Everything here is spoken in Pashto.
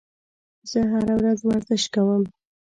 زه هره ورځ ورزش کوم